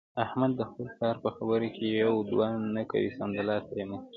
احمد د خپل پلار په خبره کې یوه دوه نه کوي، سمدلاسه یې مني.